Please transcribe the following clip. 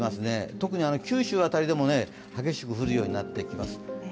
特に九州あたりでも激しく降るようになっています。